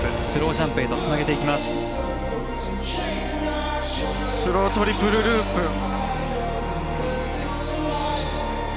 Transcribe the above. スロートリプルループ。